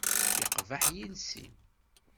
Yeqbeḥ yiles-im.